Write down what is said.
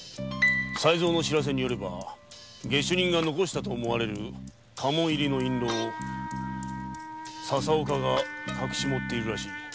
才三の報告では下手人が残したと思われる家紋入りの印籠を佐々岡が隠し持っているらしい。